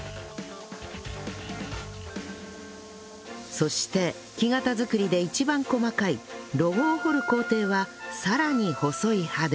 そして木型作りで一番細かいロゴを彫る工程はさらに細い刃で